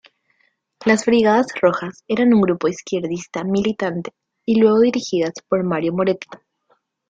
Las Brigadas Rojas eran un grupo izquierdista militante, y luego dirigidas por Mario Moretti.